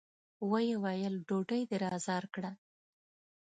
ويې ويل: ډوډۍ دې را زار کړه!